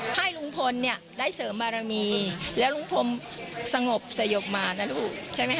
ให้ลุงพลได้เสริมบารมีแล้วลุงพลสงบสยบมานะลูก